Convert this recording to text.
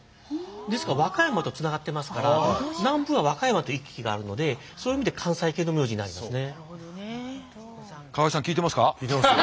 ですから和歌山とつながってますから南部は和歌山と行き来があるのでそういう意味で関西系の名字になりますね。